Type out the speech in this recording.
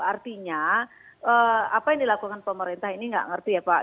artinya apa yang dilakukan pemerintah ini nggak ngerti ya pak